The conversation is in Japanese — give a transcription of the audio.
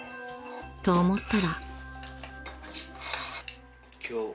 ［と思ったら］